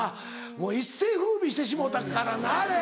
もう一世風靡してしもうたからなあれ。